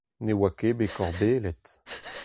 Ne oa ket bet korbellet.